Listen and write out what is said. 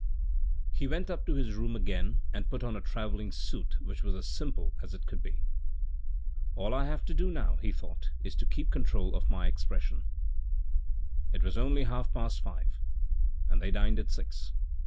He went up to his room again and put on a travelling suit which was as simple as it could be. " All I have to do now," he thought, " is to keep control of my expression." It was only half past five and they dined at six.